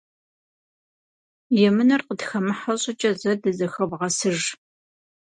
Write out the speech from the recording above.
Емынэр къытхэмыхьэ щӏыкӏэ зэ дызэхэвгъэсыж.